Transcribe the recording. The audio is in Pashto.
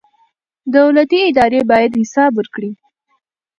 دولتي ادارې باید حساب ورکړي.